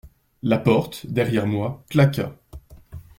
La porte, derrière moi, claqua.